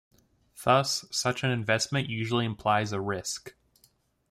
Thus, such an investment usually implies a risk.